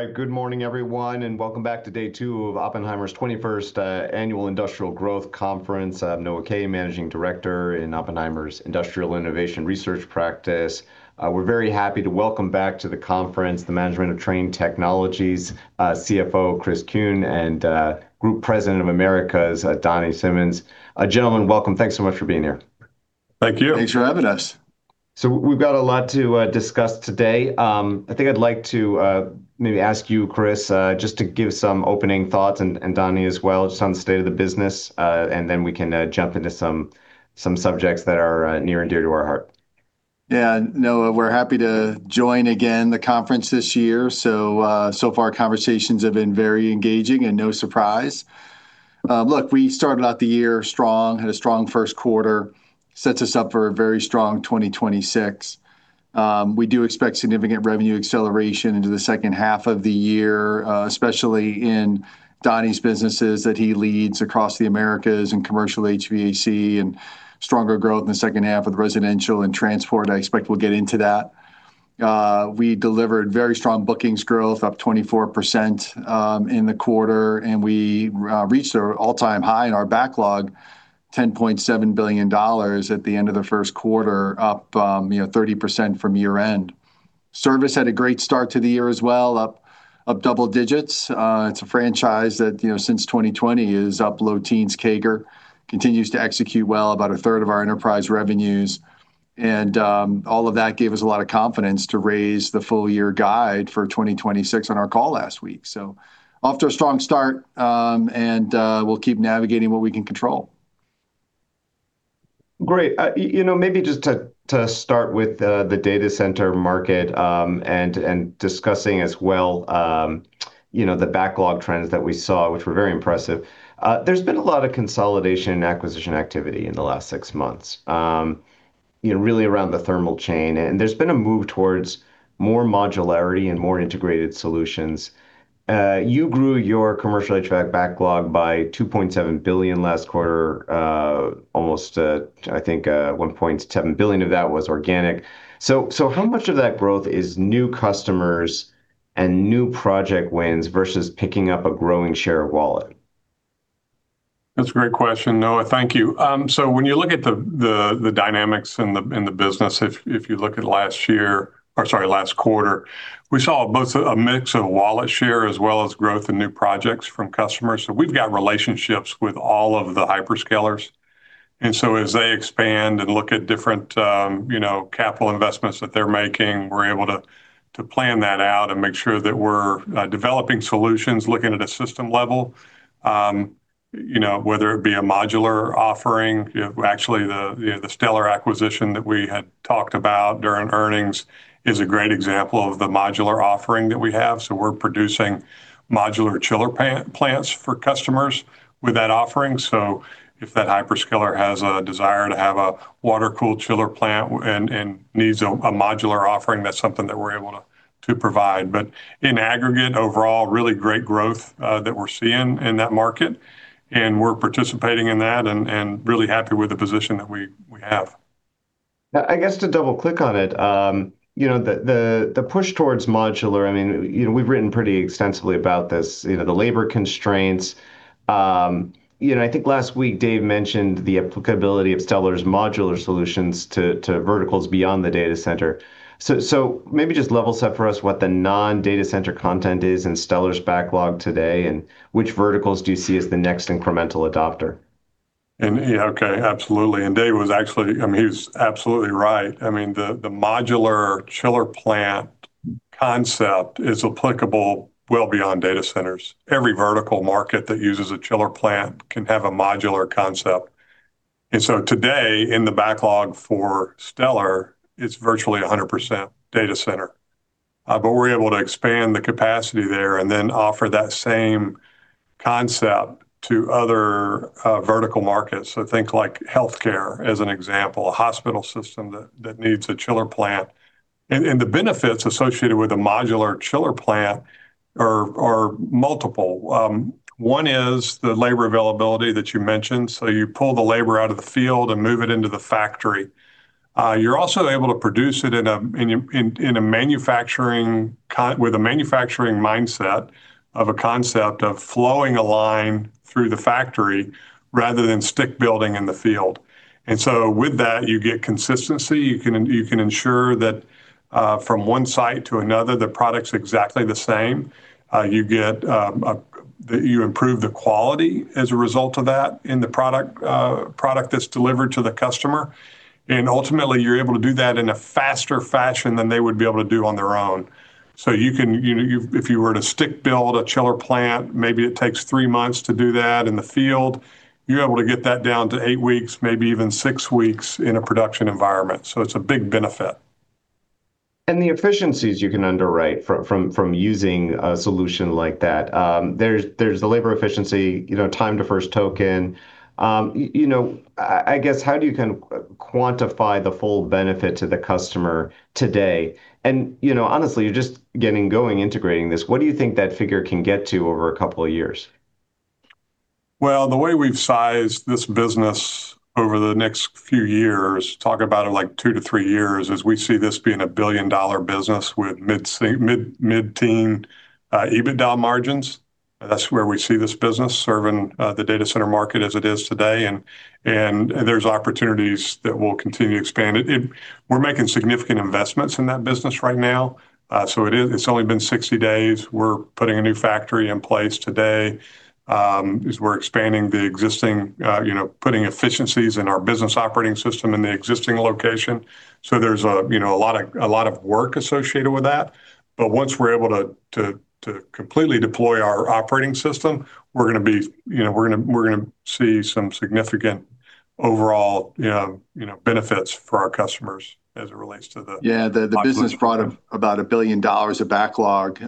All right. Good morning, everyone, and welcome back to Day 2 of Oppenheimer's 21st Annual Industrial Growth Conference. I'm Noah Kaye, Managing Director in Oppenheimer's Industrial Innovation Research practice. We're very happy to welcome back to the conference the management of Trane Technologies, CFO, Chris Kuehn, and Group President of Americas, Donny Simmons. Gentlemen, welcome. Thanks so much for being here. Thank you. Thanks for having us. We've got a lot to discuss today. I think I'd like to maybe ask you, Chris, just to give some opening thoughts, and Donny as well, just on the state of the business. Then we can jump into some subjects that are near and dear to our heart. Noah, we're happy to join again the conference this year. So far conversations have been very engaging and no surprise. Look, we started out the year strong, had a strong first quarter, sets us up for a very strong 2026. We do expect significant revenue acceleration into the second half of the year, especially in Donny's businesses that he leads across the Americas in commercial HVAC and stronger growth in the second half of residential and transport. I expect we'll get into that. We delivered very strong bookings growth, up 24%, in the quarter, and we reached a all-time high in our backlog, $10.7 billion at the end of the first quarter, up, you know, 30% from year-end. Service had a great start to the year as well, up double digits. It's a franchise that, you know, since 2020 is up low teens CAGR, continues to execute well about 1/3 of our enterprise revenues. All of that gave us a lot of confidence to raise the full year guide for 2026 on our call last week. Off to a strong start, and we'll keep navigating what we can control. Great. You know, maybe just to start with the data center market, and discussing as well, you know, the backlog trends that we saw, which were very impressive. There's been a lot of consolidation and acquisition activity in the last six months, you know, really around the thermal chain, and there's been a move towards more modularity and more integrated solutions. You grew your commercial HVAC backlog by $2.7 billion last quarter, almost, I think, $1.7 billion of that was organic. How much of that growth is new customers and new project wins versus picking up a growing share of wallet? That's a great question, Noah. Thank you. When you look at the dynamics in the business, if you look at last year, or sorry, last quarter, we saw both a mix of wallet share as well as growth in new projects from customers. We've got relationships with all of the hyperscalers, as they expand and look at different, you know, capital investments that they're making, we're able to plan that out and make sure that we're developing solutions, looking at a system level, you know, whether it be a modular offering. You know, actually, the Stellar acquisition that we had talked about during earnings is a great example of the modular offering that we have. We're producing modular chiller plants for customers with that offering. If that hyperscaler has a desire to have a water-cooled chiller plant and needs a modular offering, that's something that we're able to provide. In aggregate, overall, really great growth that we're seeing in that market, and we're participating in that and really happy with the position that we have. I guess to double-click on it, you know, the push towards modular, I mean, you know, we've written pretty extensively about this, you know, the labor constraints. You know, I think last week Dave mentioned the applicability of Stellar's modular solutions to verticals beyond the data center. Maybe just level set for us what the non-data center content is in Stellar's backlog today, and which verticals do you see as the next incremental adopter? Yeah, okay. Absolutely. Dave was actually, I mean, he was absolutely right. I mean, the modular chiller plant concept is applicable well beyond data centers. Every vertical market that uses a chiller plant can have a modular concept. Today, in the backlog for Stellar, it's virtually 100% data center. We're able to expand the capacity there and then offer that same concept to other vertical markets. Think like healthcare as an example, a hospital system that needs a chiller plant. The benefits associated with a modular chiller plant are multiple. One is the labor availability that you mentioned. You pull the labor out of the field and move it into the factory. You're also able to produce it in a manufacturing mindset of a concept of flowing a line through the factory rather than stick building in the field. With that, you get consistency. You can ensure that from one site to another, the product's exactly the same. You get, you improve the quality as a result of that in the product that's delivered to the customer. Ultimately, you're able to do that in a faster fashion than they would be able to do on their own. You can, if you were to stick build a chiller plant, maybe it takes three months to do that in the field. You're able to get that down to eight weeks, maybe even six weeks in a production environment. It's a big benefit. The efficiencies you can underwrite from using a solution like that, there's the labor efficiency, you know, time to first token. You know, I guess, how do you kind of quantify the full benefit to the customer today? You know, honestly, you're just getting going integrating this. What do you think that figure can get to over a couple of years? Well, the way we've sized this business over the next few years, talk about in, like, two to three years, is we see this being $1 billion business with mid-teen EBITDA margins. That's where we see this business serving the data center market as it is today, and there's opportunities that will continue to expand. We're making significant investments in that business right now. It's only been 60 days. We're putting a new factory in place today, as we're expanding the existing, you know, putting efficiencies in our business operating system in the existing location. There's a, you know, a lot of work associated with that. Once we're able to completely deploy our operating system, we're gonna be, you know, we're gonna see some significant overall, you know, benefits for our customers as it relates to the. The business brought up about $1 billion of backlog,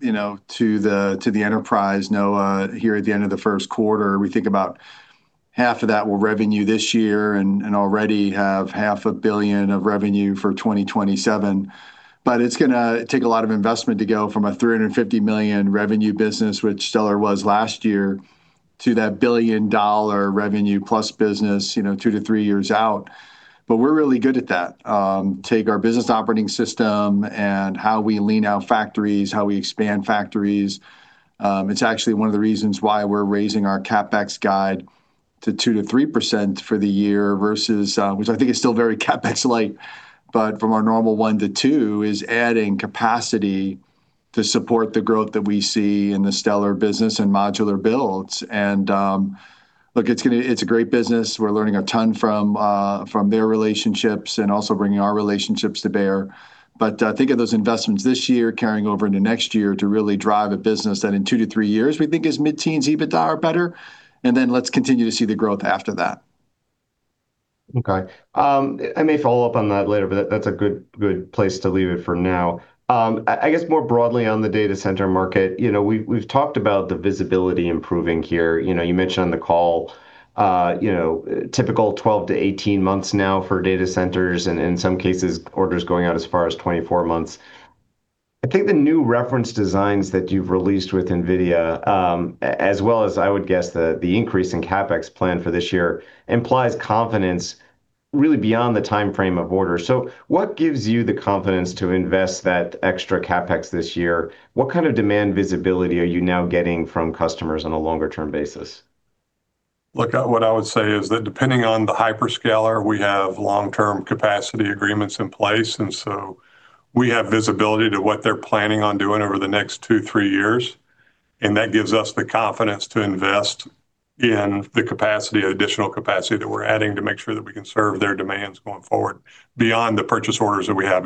you know, to the enterprise. Here at the end of the first quarter, we think about half of that will revenue this year and already have $0.5 billion of revenue for 2027. It's going to take a lot of investment to go from a $350 million revenue business, which Stellar was last year, to that $1 billion+ revenue business, you know, two to three years out. We're really good at that. Take our business operating system and how we lean out factories, how we expand factories. It's actually one of the reasons why we're raising our CapEx guide to 2%-3% for the year versus, which I think is still very CapEx light, but from our normal 1%-2% is adding capacity to support the growth that we see in the Stellar business and modular builds. Look, it's a great business. We're learning a ton from their relationships and also bringing our relationships to bear. Think of those investments this year carrying over into next year to really drive a business that in two-three years we think is mid-teens EBITDA or better, and then let's continue to see the growth after that. Okay. I may follow up on that later, but that's a good place to leave it for now. I guess more broadly on the data center market, you know, we've talked about the visibility improving here. You know, you mentioned on the call, you know, typical 12-18 months now for data centers and in some cases, orders going out as far as 24 months. I think the new reference designs that you've released with NVIDIA, as well as I would guess the increase in CapEx plan for this year implies confidence really beyond the timeframe of orders. What gives you the confidence to invest that extra CapEx this year? What kind of demand visibility are you now getting from customers on a longer term basis? Look, what I would say is that depending on the hyperscaler, we have long-term capacity agreements in place. We have visibility to what they're planning on doing over the next two, three years. That gives us the confidence to invest in the capacity, additional capacity that we're adding to make sure that we can serve their demands going forward beyond the purchase orders that we have.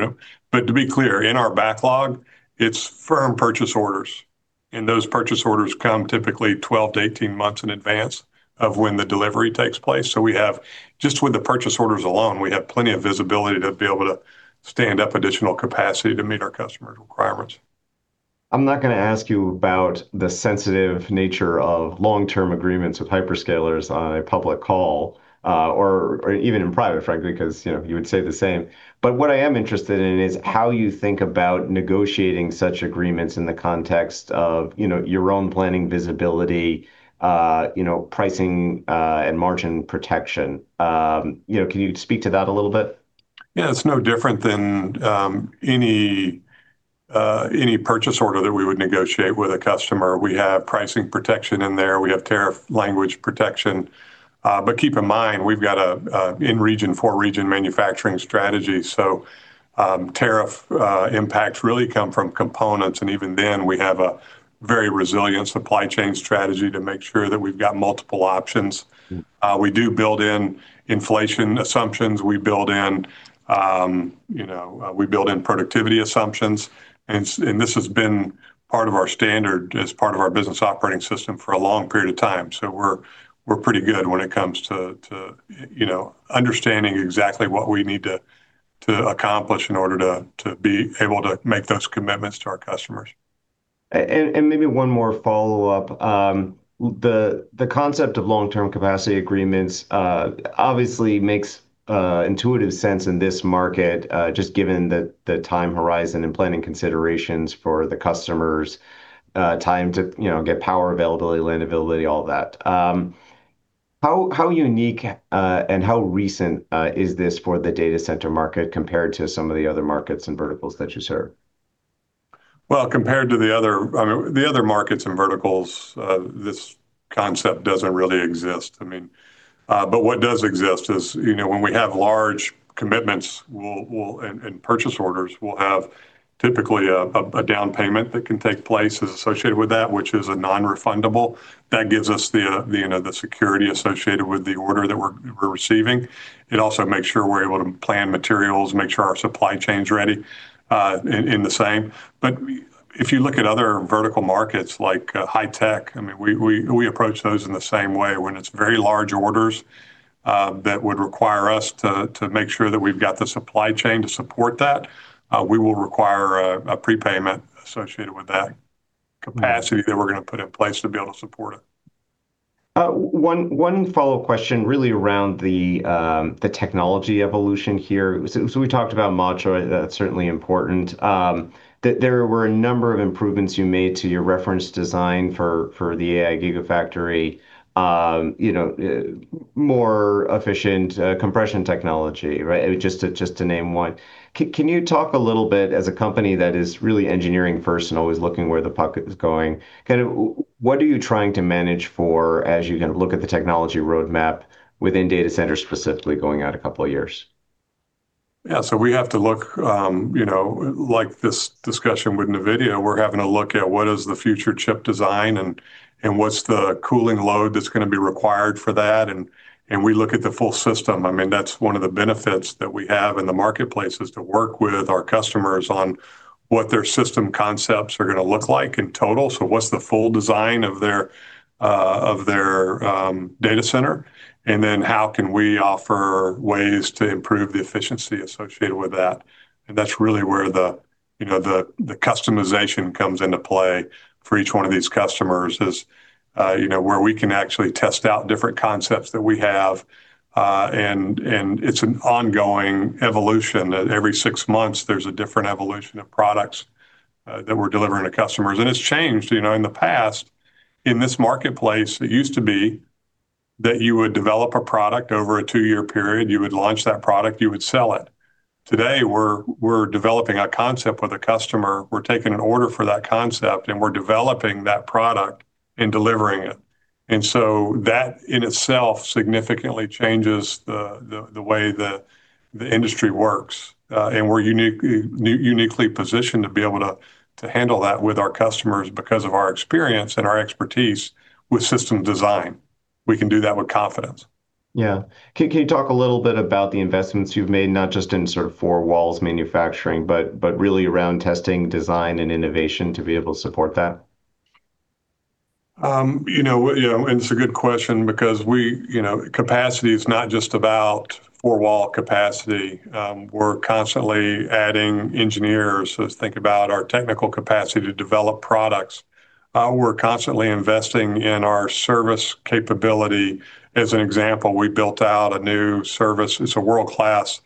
To be clear, in our backlog, it's firm purchase orders. Those purchase orders come typically 12-18 months in advance of when the delivery takes place. We have, just with the purchase orders alone, we have plenty of visibility to be able to stand up additional capacity to meet our customers' requirements. I'm not gonna ask you about the sensitive nature of long-term agreements with hyperscalers on a public call, or even in private, frankly, 'cause, you know, you would say the same. What I am interested in is how you think about negotiating such agreements in the context of, you know, your own planning visibility, you know, pricing, and margin protection. You know, can you speak to that a little bit? Yeah, it's no different than any purchase order that we would negotiate with a customer. We have pricing protection in there. We have tariff language protection. Keep in mind, we've got a in-region, for-region manufacturing strategy. Tariff impacts really come from components, and even then, we have a very resilient supply chain strategy to make sure that we've got multiple options. We do build in inflation assumptions. We build in, you know, we build in productivity assumptions. This has been part of our standard as part of our business operating system for a long period of time. We're pretty good when it comes to, you know, understanding exactly what we need to accomplish in order to be able to make those commitments to our customers. Maybe one more follow-up. The concept of long-term capacity agreements obviously makes intuitive sense in this market, just given the time horizon and planning considerations for the customers, time to, you know, get power availability, land availability, all that. How unique and how recent is this for the data center market compared to some of the other markets and verticals that you serve? Well, compared to the other, I mean, the other markets and verticals, this concept doesn't really exist. I mean, but what does exist is, you know, when we have large commitments, we'll and purchase orders, we'll have typically a down payment that can take place as associated with that, which is a non-refundable. That gives us the, you know, the security associated with the order that we're receiving. It also makes sure we're able to plan materials, make sure our supply chain's ready, in the same. But if you look at other vertical markets like high tech, I mean, we approach those in the same way when it's very large orders that would require us to make sure that we've got the supply chain to support that. We will require a prepayment associated with that, capacity that we're gonna put in place to be able to support it. One follow-up question really around the technology evolution here. We talked about module. That's certainly important. There were a number of improvements you made to your reference design for the AI factory, you know, more efficient compression technology, right? Just to name one. Can you talk a little bit as a company that is really engineering first and always looking where the puck is going, kind of what are you trying to manage for as you kind of look at the technology roadmap within data centers specifically going out a couple of years? Yeah, we have to look, you know, like this discussion with NVIDIA, we're having a look at what is the future chip design and what's the cooling load that's going to be required for that, and we look at the full system. I mean, that's one of the benefits that we have in the marketplace, is to work with our customers on what their system concepts are going to look like in total. What's the full design of their data center, how can we offer ways to improve the efficiency associated with that? That's really where the, you know, the customization comes into play for each one of these customers is, you know, where we can actually test out different concepts that we have. It's an ongoing evolution that every six months there's a different evolution of products that we're delivering to customers. It's changed. You know, in the past, in this marketplace, it used to be that you would develop a product over a two-year period. You would launch that product, you would sell it. Today, we're developing a concept with a customer. We're taking an order for that concept, and we're developing that product and delivering it. That in itself significantly changes the way the industry works. We're uniquely positioned to be able to handle that with our customers because of our experience and our expertise with system design. We can do that with confidence. Yeah. Can you talk a little bit about the investments you've made, not just in sort of four walls manufacturing, but really around testing, design, and innovation to be able to support that? You know, and it's a good question because capacity is not just about four wall capacity. We're constantly adding engineers who think about our technical capacity to develop products. We're constantly investing in our service capability. As an example, we built out a new service. It's a world-class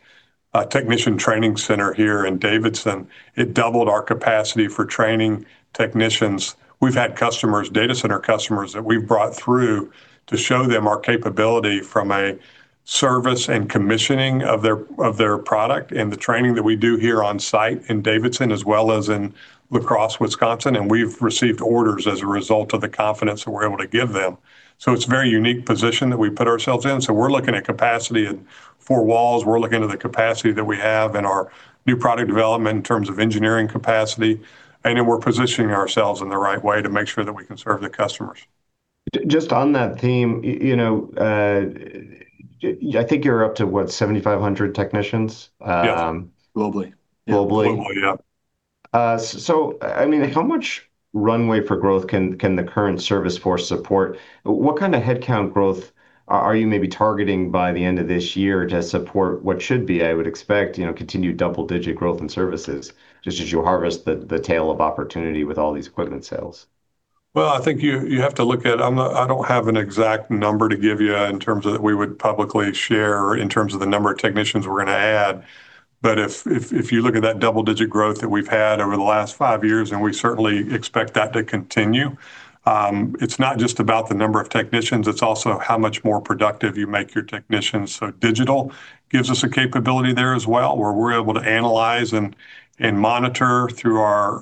technician training center here in Davidson. It doubled our capacity for training technicians. We've had customers, data center customers that we've brought through to show them our capability from a service and commissioning of their, of their product and the training that we do here on site in Davidson as well as in La Crosse, Wisconsin, and we've received orders as a result of the confidence that we're able to give them. It's a very unique position that we put ourselves in. We're looking at capacity in four walls. We're looking at the capacity that we have in our new product development in terms of engineering capacity, and then we're positioning ourselves in the right way to make sure that we can serve the customers. Just on that theme, you know, I think you're up to what, 7,500 technicians? Yes. Globally. Globally? Globally, yeah. I mean, how much runway for growth can the current service force support? What kind of headcount growth are you maybe targeting by the end of this year to support what should be, I would expect, you know, continued double-digit growth in services, just as you harvest the tail of opportunity with all these equipment sales? I think you have to look at I don't have an exact number to give you in terms of that we would publicly share in terms of the number of technicians we're going to add. If you look at that double-digit growth that we've had over the last five years, we certainly expect that to continue, it's not just about the number of technicians, it's also how much more productive you make your technicians. Digital gives us a capability there as well, where we're able to analyze and monitor through our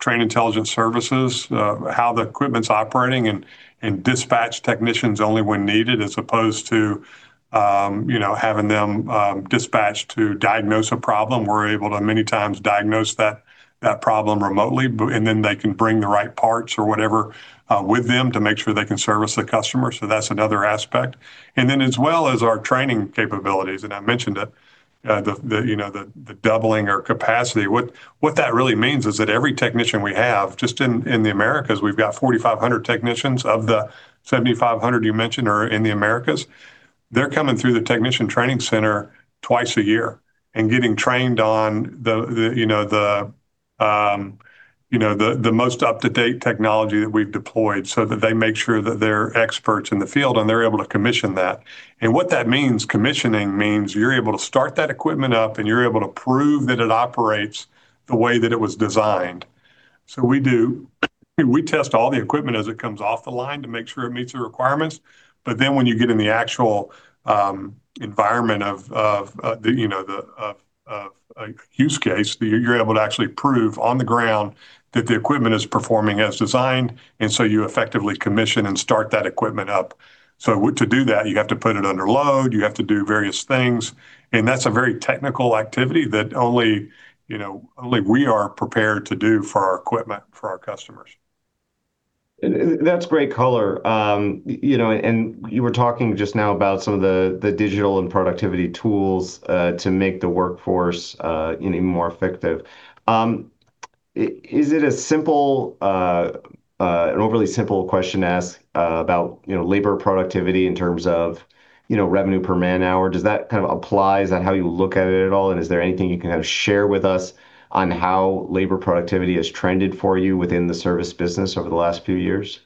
Trane Intelligent Services how the equipment's operating and dispatch technicians only when needed, as opposed to, you know, having them dispatched to diagnose a problem. We're able to many times diagnose that problem remotely, and then they can bring the right parts or whatever with them to make sure they can service the customer. That's another aspect. As well as our training capabilities, and I mentioned it, you know, the doubling our capacity. What that really means is that every technician we have, just in the Americas, we've got 4,500 technicians. Of the 7,500 you mentioned are in the Americas, they're coming through the technician training center twice a year and getting trained on the, you know, the most up-to-date technology that we've deployed so that they make sure that they're experts in the field, and they're able to commission that. What that means, commissioning means you're able to start that equipment up, and you're able to prove that it operates the way that it was designed. We do. We test all the equipment as it comes off the line to make sure it meets the requirements. When you get in the actual, you know, environment of the use case, you're able to actually prove on the ground that the equipment is performing as designed, you effectively commission and start that equipment up. To do that, you have to put it under load, you have to do various things, and that's a very technical activity that only, you know, only we are prepared to do for our equipment, for our customers. That's great color. you know, you were talking just now about some of the digital and productivity tools to make the workforce, you know, even more effective. Is it a simple, an overly simple question to ask about, you know, labor productivity in terms of, you know, revenue per man-hour? Does that kind of apply? Is that how you look at it at all, and is there anything you can kind of share with us on how labor productivity has trended for you within the service business over the last few years?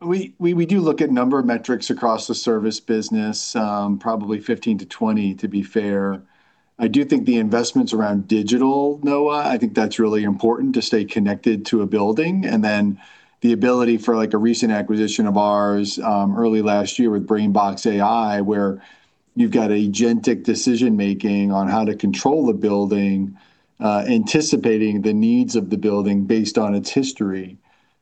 We do look at number of metrics across the service business, probably 15 to 20, to be fair. I do think the investments around digital, Noah, I think that's really important to stay connected to a building. And then the ability for, like, a recent acquisition of ours, early last year with BrainBox AI, where you've got agentic decision-making on how to control the building, anticipating the needs of the building based on its history.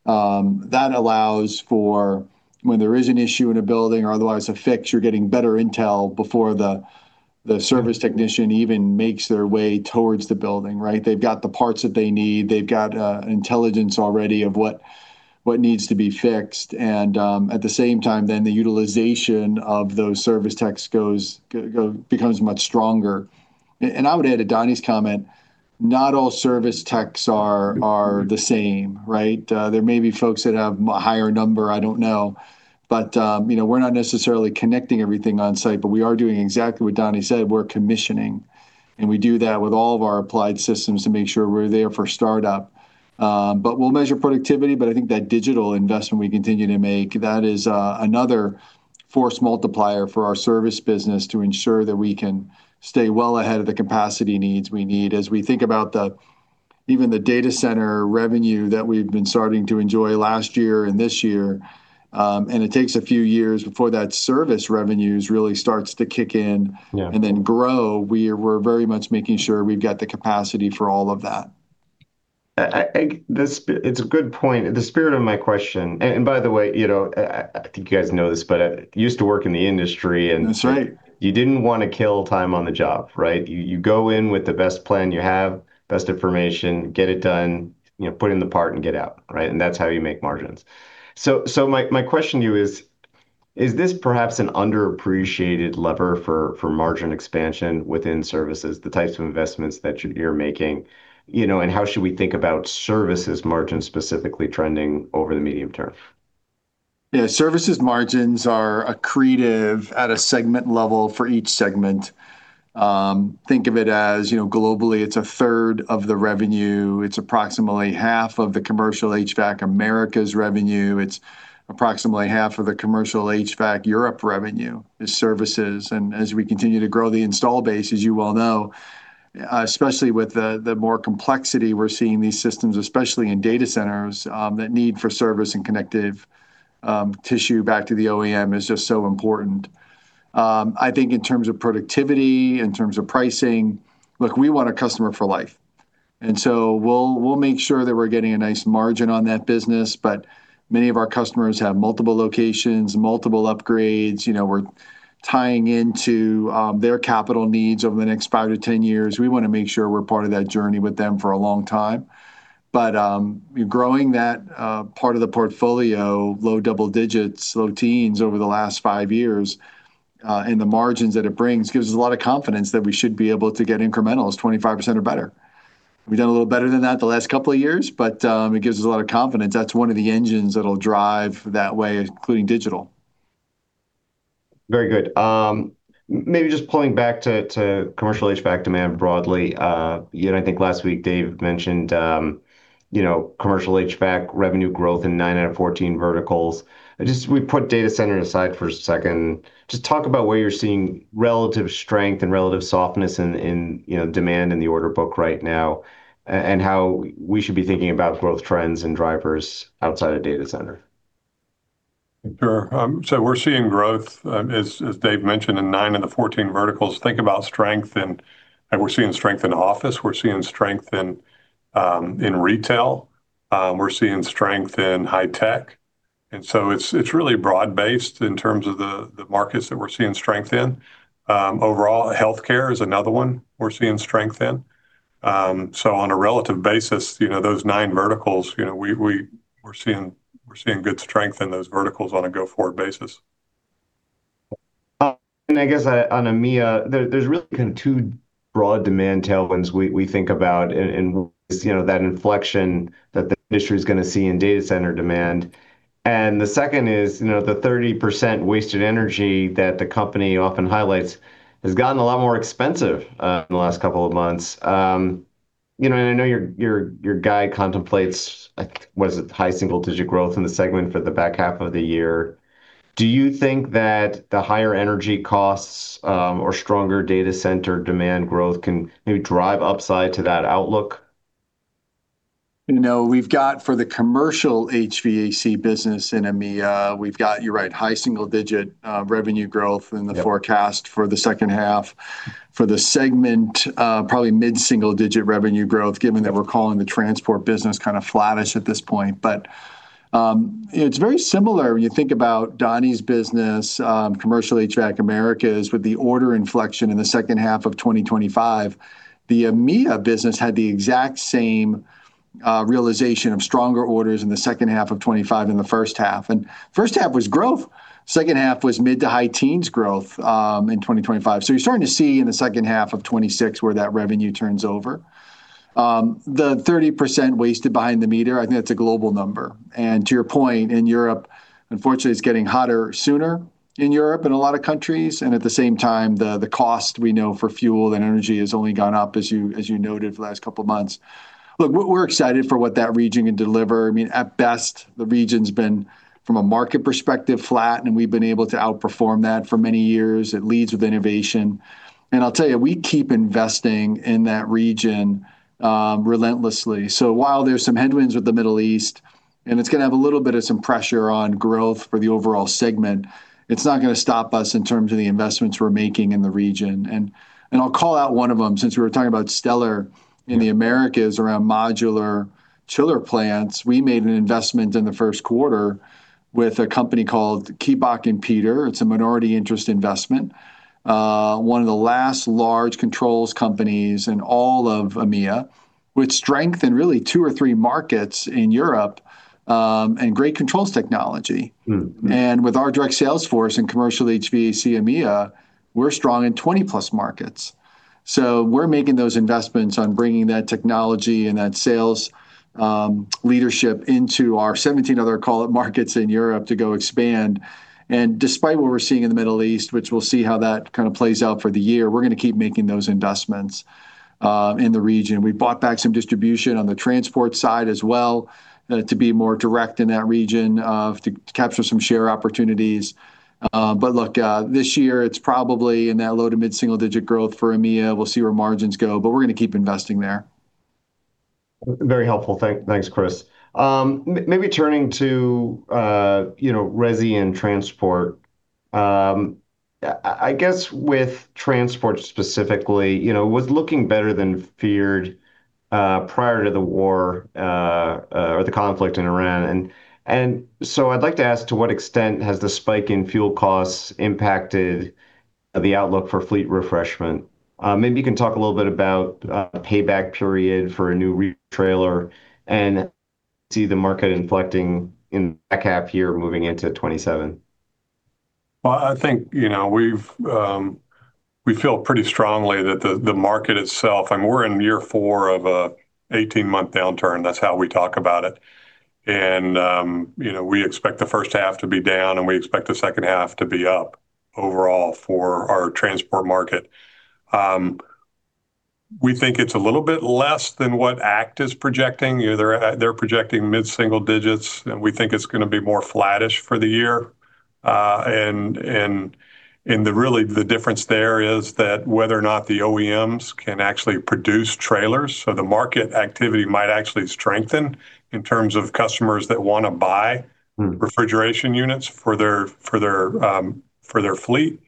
That allows for when there is an issue in a building or otherwise a fix, you're getting better intel before the service technician even makes their way towards the building, right? They've got the parts that they need. They've got intelligence already of what needs to be fixed. At the same time, then the utilization of those service techs becomes much stronger. I would add to Donny's comment, not all service techs are the same, right? There may be folks that have a higher number, I don't know. You know, we're not necessarily connecting everything on site, but we are doing exactly what Donny said, we're commissioning, and we do that with all of our applied systems to make sure we're there for startup. We'll measure productivity, but I think that digital investment we continue to make, that is another force multiplier for our service business to ensure that we can stay well ahead of the capacity needs we need. As we think about the, even the data center revenue that we've been starting to enjoy last year and this year, and it takes a few years before that service revenues really starts to kick in grow. We're very much making sure we've got the capacity for all of that. It's a good point. The spirit of my question, and by the way, you know, I think you guys know this, but I used to work in the industry. That's right. You didn't wanna kill time on the job, right? You go in with the best plan you have, best information, get it done, you know, put in the part and get out, right? That's how you make margins. My question to you is this perhaps an underappreciated lever for margin expansion within services, the types of investments that you're making, you know, and how should we think about services margins specifically trending over the medium term? Yeah. Services margins are accretive at a segment level for each segment. Think of it as, you know, globally, it's 1/3 of the revenue. It's approximately half of the commercial HVAC Americas revenue. It's approximately half of the commercial HVAC Europe revenue is services. As we continue to grow the install base, as you well know, especially with the more complexity we're seeing these systems, especially in data centers, that need for service and connective tissue back to the OEM is just so important. I think in terms of productivity, in terms of pricing, look, we want a customer for life. We'll make sure that we're getting a nice margin on that business, but many of our customers have multiple locations, multiple upgrades. You know, we're tying into their capital needs over the next 5-10 years. We wanna make sure we're part of that journey with them for a long time. Growing that part of the portfolio, low double digits, low teens over the last five years, and the margins that it brings gives us a lot of confidence that we should be able to get incremental as 25% or better. We've done a little better than that the last couple of years, but it gives us a lot of confidence. That's one of the engines that'll drive that way, including digital. Very good. Maybe just pulling back to commercial HVAC demand broadly. You know, I think last week Dave mentioned, you know, commercial HVAC revenue growth in 9 out of 14 verticals. Just put data center aside for a second. Just talk about where you're seeing relative strength and relative softness in, you know, demand in the order book right now, and how we should be thinking about growth trends and drivers outside of data center. Sure. We're seeing growth, as Dave mentioned, in 9 of the 14 verticals. Think about strength in, like, we're seeing strength in office, we're seeing strength in retail, we're seeing strength in high-tech. It's really broad-based in terms of the markets that we're seeing strength in. Overall, healthcare is another one we're seeing strength in. On a relative basis, you know, those nine verticals, you know, we're seeing good strength in those verticals on a go-forward basis. I guess, on EMEA, there's really kind of two broad demand tailwinds we think about in, you know, that inflection that the industry is going to see in data center demand. The second is, you know, the 30% wasted energy that the company often highlights has gotten a lot more expensive in the last couple of months. You know, I know your guide contemplates, like, was it high single-digit growth in the segment for the back half of the year? Do you think that the higher energy costs or stronger data center demand growth can maybe drive upside to that outlook? You know, we've got for the commercial HVAC business in EMEA, we've got, you're right, high single digit revenue growth forecast for the second half. For the segment, probably mid-single-digit revenue growth, given that we're calling the transport business kind of flattish at this point. It's very similar when you think about Donny's business, commercial HVAC Americas with the order inflection in the second half of 2025. The EMEA business had the exact same realization of stronger orders in the second half of 2025 and the first half. First half was growth, second half was mid-to-high teens growth in 2025. You're starting to see in the second half of 2026 where that revenue turns over. The 30% wasted behind the meter, I think that's a global number. To your point, unfortunately, it's getting hotter sooner in Europe in a lot of countries, and at the same time, the cost we know for fuel and energy has only gone up, as you noted, for the last couple of months. Look, we're excited for what that region can deliver. I mean, at best, the region's been, from a market perspective, flat, and we've been able to outperform that for many years. It leads with innovation. I'll tell you, we keep investing in that region relentlessly. While there's some headwinds with the Middle East, and it's gonna have a little bit of some pressure on growth for the overall segment, it's not gonna stop us in terms of the investments we're making in the region. I'll call out one of them, since we were talking about Stellar in the Americas around modular chiller plants. We made an investment in the first quarter with a company called Kieback&Peter. It's a minority interest investment. One of the last large controls companies in all of EMEA, with strength in really two or three markets in Europe, and great controls technology. With our direct sales force and commercial HVAC EMEA, we're strong in 20+ markets. We're making those investments on bringing that technology and that sales leadership into our 17 other call it markets in Europe to go expand. Despite what we're seeing in the Middle East, which we'll see how that kind of plays out for the year, we're gonna keep making those investments in the region. We bought back some distribution on the transport side as well, to be more direct in that region, to capture some share opportunities. But look, this year it's probably in that low to mid-single-digit growth for EMEA. We'll see where margins go, but we're gonna keep investing there. Very helpful. Thanks, Chris. Maybe turning to, you know, resi and transport. I guess with transport specifically, you know, it was looking better than feared prior to the war or the conflict in Iran. I'd like to ask to what extent has the spike in fuel costs impacted the outlook for fleet refreshment? Maybe you can talk a little bit about payback period for a new trailer and see the market inflecting in that half year moving into 2027. Well, I think, you know, we've, we feel pretty strongly that the market itself. I mean, we're in year four of a 18-month downturn. That's how we talk about it. You know, we expect the first half to be down, and we expect the second half to be up overall for our transport market. We think it's a little bit less than what ACT is projecting. You know, they're projecting mid-single digits. We think it's gonna be more flattish for the year. And the really, the difference there is that whether or not the OEMs can actually produce trailers. The market activity might actually strengthen in terms of customers that wanna buy. Refrigeration units for their fleet.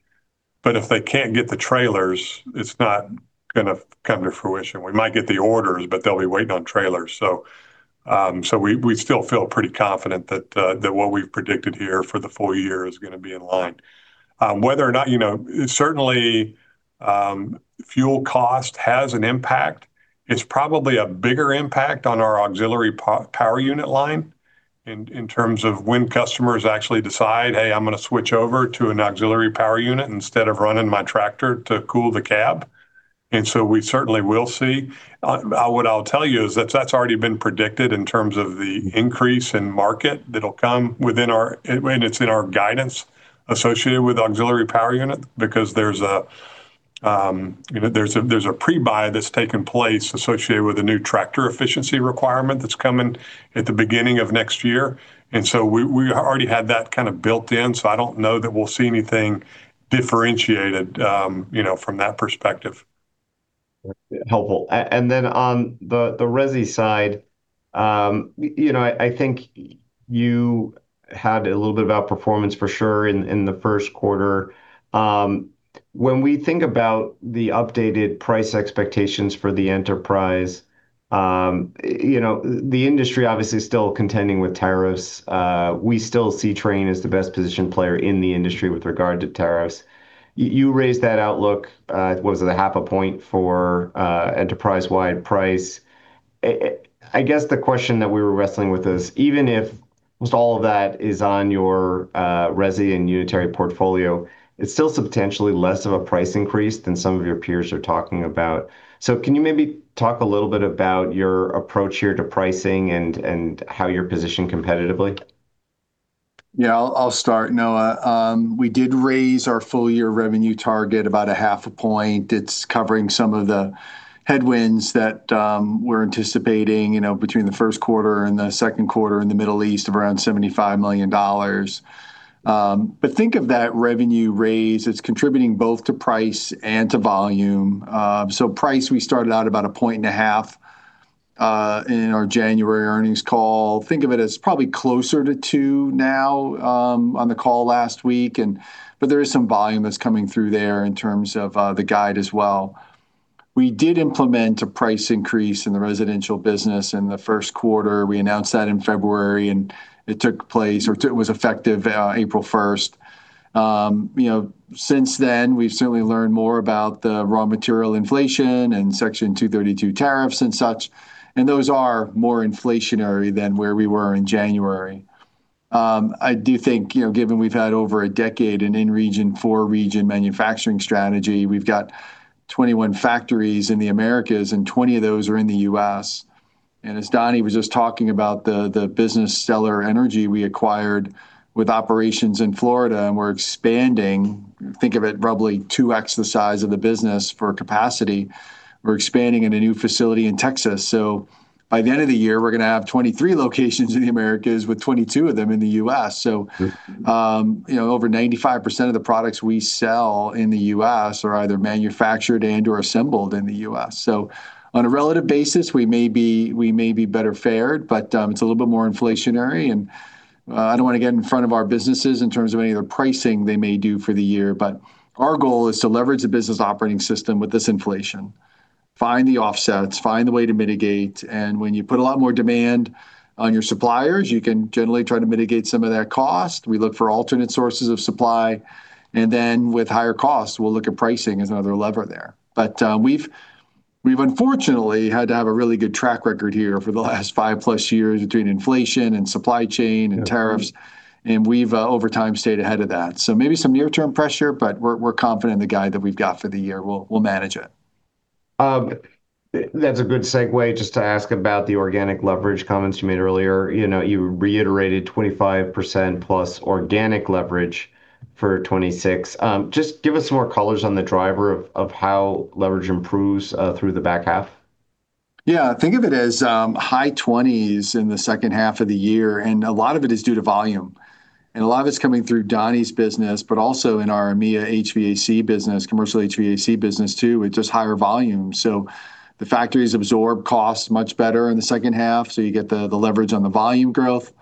If they can't get the trailers, it's not gonna come to fruition. We might get the orders, but they'll be waiting on trailers. We still feel pretty confident that what we've predicted here for the full year is gonna be in line. Whether or not, you know, certainly, fuel cost has an impact. It's probably a bigger impact on our auxiliary power unit line in terms of when customers actually decide, "Hey, I'm gonna switch over to an auxiliary power unit instead of running my tractor to cool the cab." We certainly will see. What I'll tell you is that that's already been predicted in terms of the increase in market that'll come. It's in our guidance associated with auxiliary power unit because there's a, you know, there's a pre-buy that's taken place associated with the new tractor efficiency requirement that's coming at the beginning of next year. We already had that kind of built in, so I don't know that we'll see anything differentiated, you know, from that perspective. Helpful. Then on the resi side, you know, I think you had a little bit of outperformance for sure in the first quarter. When we think about the updated price expectations for the enterprise, you know, the industry obviously is still contending with tariffs. We still see Trane as the best positioned player in the industry with regard to tariffs. You raised that outlook, what was it, a half a point for enterprise-wide price. I guess the question that we were wrestling with is, even if almost all of that is on your resi and unitary portfolio, it's still substantially less of a price increase than some of your peers are talking about. Can you maybe talk a little bit about your approach here to pricing and how you're positioned competitively? I'll start, Noah. We did raise our full-year revenue target about 0.5 points. It's covering some of the headwinds that, we're anticipating, you know, between the first quarter and the second quarter in the Middle East of around $75 million. Think of that revenue raise, it's contributing both to price and to volume. Price, we started out about 1.5 points in our January earnings call. Think of it as probably closer to 2 now on the call last week, there is some volume that's coming through there in terms of the guide as well. We did implement a price increase in the residential business in the first quarter. We announced that in February, and it took place or it was effective April 1st. You know, since then, we've certainly learned more about the raw material inflation and Section 232 tariffs and such. Those are more inflationary than where we were in January. I do think, you know, given we've had over a decade in in-region, for-region manufacturing strategy, we've got 21 factories in the Americas, and 20 of those are in the U.S. As Donny was just talking about the business Stellar Energy we acquired with operations in Florida, and we're expanding, think of it probably 2x the size of the business for capacity. We're expanding in a new facility in Texas. By the end of the year, we're gonna have 23 locations in the Americas with 22 of them in the U.S. You know, over 95% of the products we sell in the U.S. are either manufactured and/or assembled in the U.S. On a relative basis, we may be better fared, but it's a little bit more inflationary, and I don't want to get in front of our businesses in terms of any of the pricing they may do for the year. Our goal is to leverage the business operating system with this inflation, find the offsets, find the way to mitigate, and when you put a lot more demand on your suppliers, you can generally try to mitigate some of that cost. We look for alternate sources of supply, and then with higher costs, we'll look at pricing as another lever there. We've unfortunately had to have a really good track record here for the last five plus years between inflation and supply chain and tariffs, and we've over time stayed ahead of that. Maybe some near-term pressure, but we're confident in the guide that we've got for the year, we'll manage it. That's a good segue just to ask about the organic leverage comments you made earlier. You know, you reiterated +25% organic leverage for 2026. Just give us some more colors on the driver of how leverage improves through the back half. Yeah. Think of it as high-20s in the second half of the year, and a lot of it is due to volume, and a lot of it's coming through Donny's business, but also in our EMEA HVAC business, commercial HVAC business, too, with just higher volume. The factories absorb costs much better in the second half, so you get the leverage on the volume growth.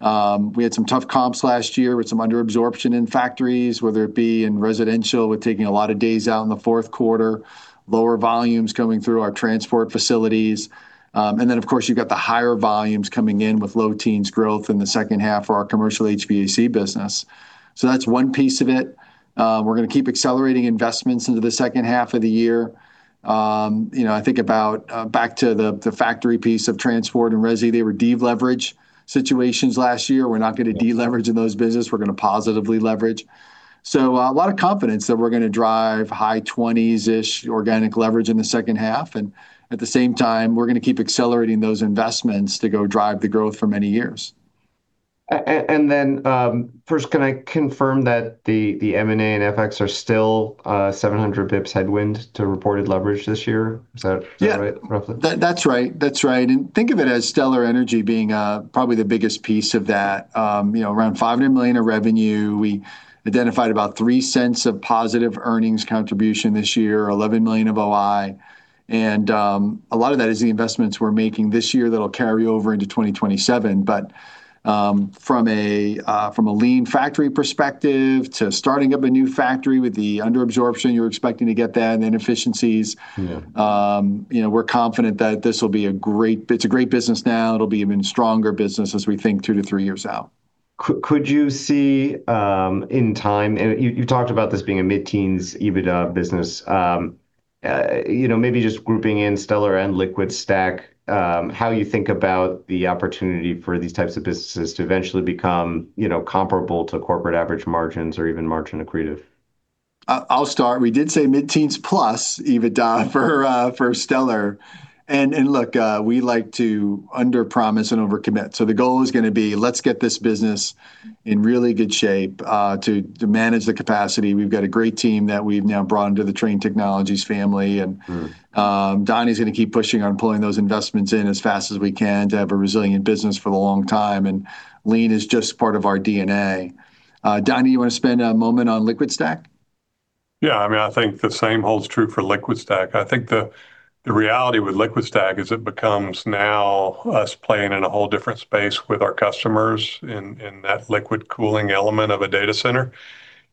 We had some tough comps last year with some under absorption in factories, whether it be in residential with taking a lot of days out in the fourth quarter, lower volumes coming through our transport facilities. Of course, you've got the higher volumes coming in with low teens growth in the second half for our commercial HVAC business. That's one piece of it. We're gonna keep accelerating investments into the second half of the year. You know, I think about back to the factory piece of transport and resi, they were de-leverage situations last year. We're not gonna de-leverage in those business, we're gonna positively leverage. A lot of confidence that we're gonna drive high 20s-ish organic leverage in the second half, and at the same time, we're gonna keep accelerating those investments to go drive the growth for many years. First, can I confirm that the M&A and FX are still 700 bps headwind to reported leverage this year? Is that roughly? That's right. That's right. Think of it as Stellar Energy being probably the biggest piece of that, you know, around $500 million of revenue. We identified about $0.03 of positive earnings contribution this year, $11 million of OI. A lot of that is the investments we're making this year that'll carry over into 2027. From a lean factory perspective to starting up a new factory with the under absorption, you're expecting to get that and inefficiencies. You know, we're confident that this will be a great business now. It'll be even stronger business as we think two-three years out. Could you see, in time, and you talked about this being a mid-teens EBITDA business. You know, maybe just grouping in Stellar and LiquidStack, how you think about the opportunity for these types of businesses to eventually become, you know, comparable to corporate average margins or even margin accretive? I'll start. We did say mid-teens plus EBITDA for Stellar. And look, we like to underpromise and overcommit. The goal is gonna be, let's get this business in really good shape to manage the capacity. We've got a great team that we've now brought into the Trane Technologies family and Donny's gonna keep pushing on pulling those investments in as fast as we can to have a resilient business for the long time, and lean is just part of our DNA. Donny, you want to spend a moment on LiquidStack? Yeah, I mean, I think the same holds true for LiquidStack. I think the reality with LiquidStack is it becomes now us playing in a whole different space with our customers in that liquid cooling element of a data center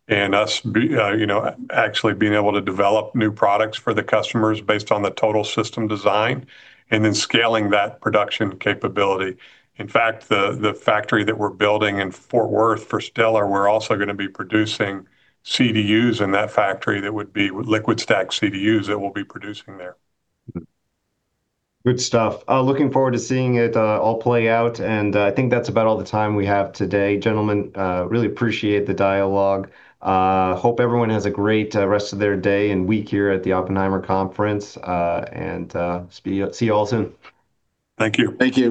and us, you know, actually being able to develop new products for the customers based on the total system design and then scaling that production capability. In fact, the factory that we're building in Fort Worth for Stellar, we're also going to be producing CDUs in that factory that would be LiquidStack CDUs that we'll be producing there. Good stuff. Looking forward to seeing it all play out, and I think that's about all the time we have today. Gentlemen, really appreciate the dialogue. Hope everyone has a great rest of their day and week here at the Oppenheimer conference. See you all soon. Thank you. Thank you.